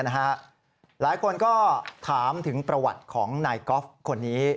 หลายคนก็ถามถึงประวัติของนายกอล์ฟคนนี้